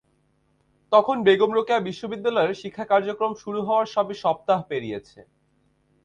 তখন বেগম রোকেয়া বিশ্ববিদ্যালয়ের শিক্ষা কার্যক্রম শুরু হওয়ার সবে সপ্তাহ পেরিয়েছে।